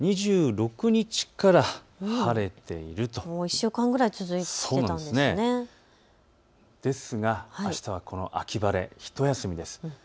２６日から晴れているという、ですがあしたはこの秋晴れ、ひと休みです。